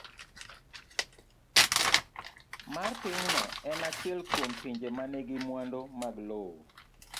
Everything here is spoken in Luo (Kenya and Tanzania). C. mar Pinyno en achiel kuom pinje ma nigi mwandu mag lowo